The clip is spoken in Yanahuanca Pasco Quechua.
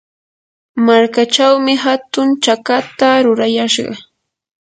markachawmi hatun chakata rurayashqa.